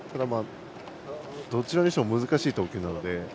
どちらにしろ難しい投球なので。